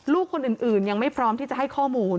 ลูกคนอื่นยังไม่พร้อมที่จะให้ข้อมูล